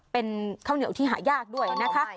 เป็นข้าวเหนียวที่หายากด้วยนะคะ